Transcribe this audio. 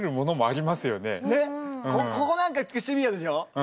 ここなんかシビアでしょ。